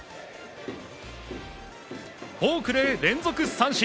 フォークで連続三振。